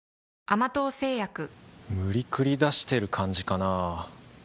無理くり出してる感じかなぁ